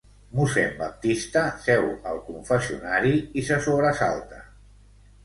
Mossèn Baptista seu al confessionari i se sobresalta.